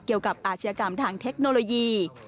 เกี่ยวกับอาชียากรรมทางเทคโนโลยี